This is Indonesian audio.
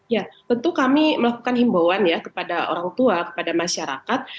ya tentu kami melakukan himbauan ya kepada orang tua kepada masyarakat